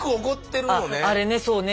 ああれねそうね